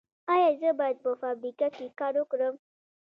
ایا زه باید په فابریکه کې کار وکړم؟